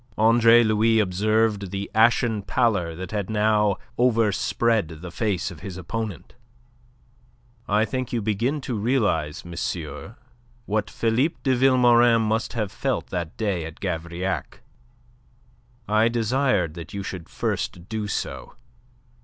Andre Louis observed the ashen pallor that now over spread the face of his opponent. "I think you begin to realize, monsieur, what Philippe de Vilmorin must have felt that day at Gavrillac. I desired that you should first do so.